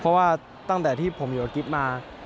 เพราะว่าตั้งแต่ที่ผมอยู่กับกิฟต์มา